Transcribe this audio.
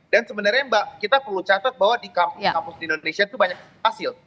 dan sebenarnya mbak kita perlu catat bahwa di kampus di indonesia itu banyak hasil